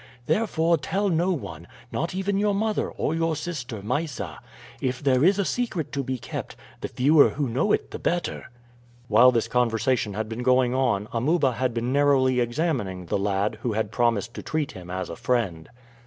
Therefore tell no one, not even your mother or your sister Mysa. If there is a secret to be kept, the fewer who know it the better." While this conversation had been going on Amuba had been narrowly examining the lad who had promised to treat him as a friend.